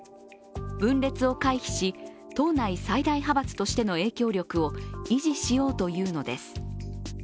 分裂を回避し、党内最大派閥としての影響力を維持しようというのです。